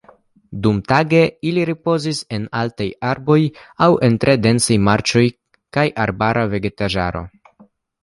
Dumtage ili ripozas en altaj arboj aŭ en tre densaj marĉoj kaj arbara vegetaĵaro.